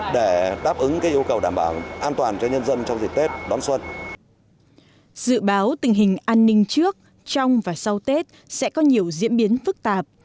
dự báo tình hình an ninh trước trong và sau tết sẽ có nhiều diễn biến phức tạp